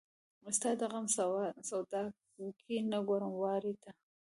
ستا د غم سودا کې نه ګورم وارې ته